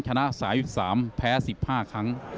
ชนะ๓๓แพ้๑๕ครั้ง